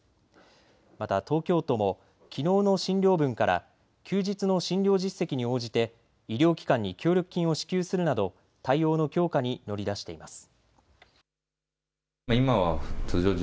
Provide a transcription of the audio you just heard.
また東京都もきのうの診療分から休日の診療実績に応じて医療機関に協力金を支給するなど対応の強化に乗り出しています。